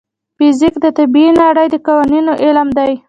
فزیک د طبیعي نړۍ د قوانینو علم دی.